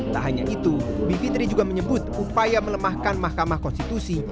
tak hanya itu bivitri juga menyebut upaya melemahkan mahkamah konstitusi